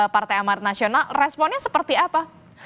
partai amar nasional responnya seperti apa